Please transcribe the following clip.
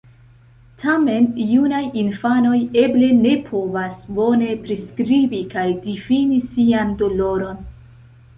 Tamen, junaj infanoj eble ne povas bone priskribi kaj difini sian doloron.